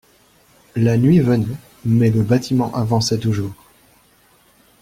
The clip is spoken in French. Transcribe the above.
La nuit venait, mais le bâtiment avançait toujours.